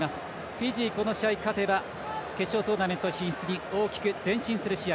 フィジー、この試合勝てば決勝トーナメント進出に大きく前進する試合。